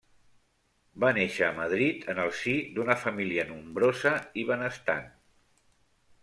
Va néixer a Madrid en el si d'una família nombrosa i benestant.